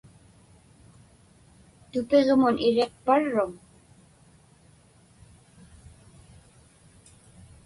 Tupiġmun iriqparruŋ?